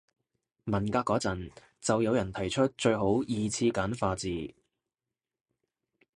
文革嗰陣就有人提出最好二次簡化字